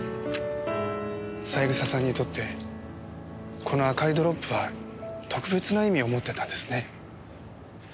三枝さんにとってこの赤いドロップは特別な意味を持ってたんですね。